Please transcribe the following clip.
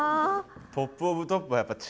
トップオブトップはやっぱ違えな。